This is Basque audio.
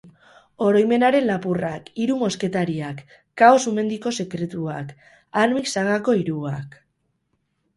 Oroimenaren lapurrak, Hiru mosketariak, Kao-Sumendiko sekretua, Armix sagako hiruak...